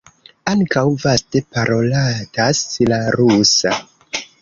Ankaŭ vaste parolatas la rusa.